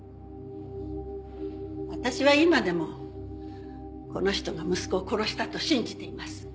私は今でもこの人が息子を殺したと信じています。